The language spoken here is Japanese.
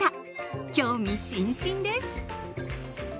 興味津々です！